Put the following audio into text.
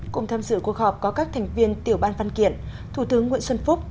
cùng tham dự cuộc họp có các thành viên tiểu ban văn kiện thủ tướng nguyễn xuân phúc